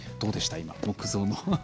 今、木造の。